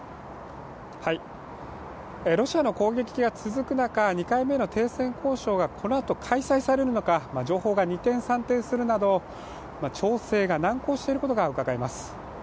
ロシアの攻撃が続く中、２回目の停戦交渉がこのあと開催されるのか、情報が二転三転するなど調整が難航していることがうかがえます。